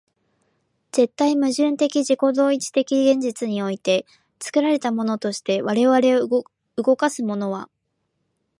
絶対矛盾的自己同一的現在において、作られたものとして我々を動かすものは、